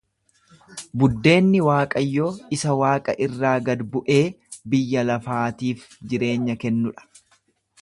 Buddeenni Waaqayyoo isa waaqa irraa gad bu’ee biyya lafaatiif jireenya kennu dha.